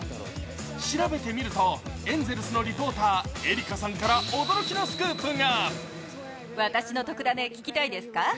調べてみると、エンゼルスのリポーター、エリカさんから驚きのスクープが。